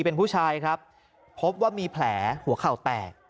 เป็นผู้ชายครับพบว่ามีแผลหัวเข่าแตก